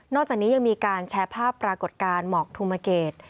จากนี้ยังมีการแชร์ภาพปรากฏการณ์หมอกธุมเกต